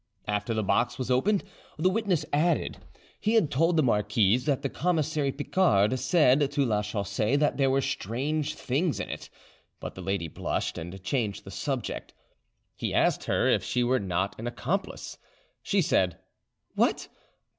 After the box was opened, the witness added, he had told the marquise, that the commissary Picard said to Lachaussee that there were strange things in it; but the lady blushed, and changed the subject. He asked her if she were not an accomplice. She said, "What!